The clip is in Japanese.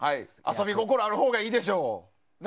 遊び心ある方がいいでしょ。